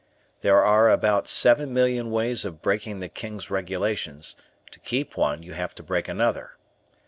There are about seven million ways of breaking the King's Regulations; to keep one you have to break another.